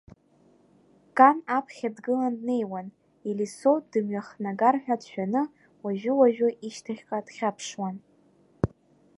Кан аԥхьа дгыланы днеиуан, Елисо дымҩахнагар ҳәа дшәаны уажәы-уажәы ишьҭахьҟа дхьаԥшуан.